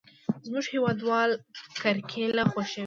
زموږ هېوادوال کرکېله خوښوي.